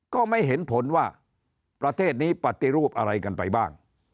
ก็ไม่เห็นผลว่าประเทศนี้ปฏิรูปอะไรกันไปบ้าง